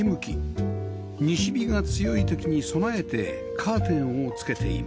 西日が強い時に備えてカーテンを付けています